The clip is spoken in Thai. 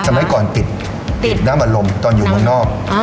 สมัยก่อนติดน้ำอารมณ์ตอนอยู่เมืองนอก